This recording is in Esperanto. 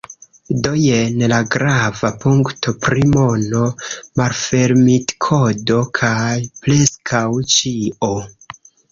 Do, jen la grava punkto pri mono, malfermitkodo kaj preskaŭ ĉio